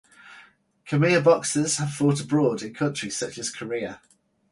Khmer boxers have fought abroad in countries such as Korea.